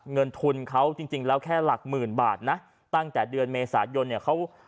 เงินทุนเขาจริงแล้วแค่หลักหมื่นบาทนะตั้งแต่เดือนเมษายนเนี่ยเขา